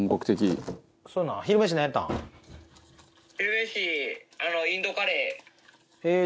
「昼飯インドカレー」へえー！